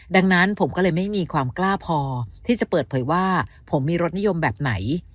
ดังนั้นผมก็เลยไม่มีความกล้าพอที่จะเปิดเผยว่าผมมีรสนิยมแบบไหน